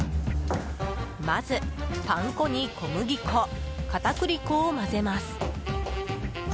まず、パン粉に小麦粉片栗粉を混ぜます。